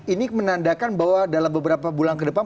ini menandakan bahwa dalam beberapa bulan ke depan